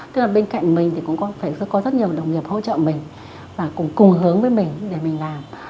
tức là bên cạnh mình thì cũng phải có rất nhiều đồng nghiệp hỗ trợ mình và cùng cùng hướng với mình để mình làm